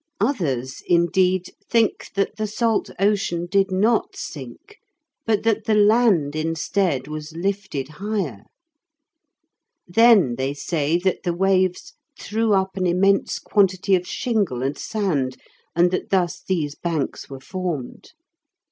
Others, indeed, think that the salt ocean did not sink, but that the land instead was lifted higher. Then they say that the waves threw up an immense quantity of shingle and sand, and that thus these banks were formed.